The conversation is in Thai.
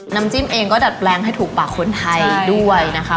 น้ำจิ้มเองก็ดัดแปลงให้ถูกปากคนไทยด้วยนะคะ